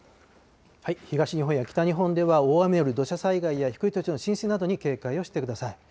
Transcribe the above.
東日本や北日本では大雨による土砂災害や低い土地の浸水などに警戒をしてください。